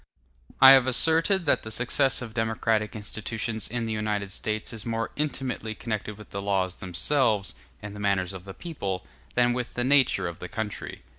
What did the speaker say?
I have asserted that the success of democratic institutions in the United States is more intimately connected with the laws themselves, and the manners of the people, than with the nature of the country.